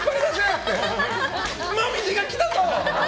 紅葉が来たぞ！